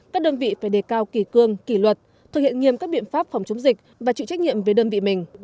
các đơn vị phải đề cao kỳ cương kỳ luật thực hiện nghiêm các biện pháp phòng chống dịch và chịu trách nhiệm với đơn vị mình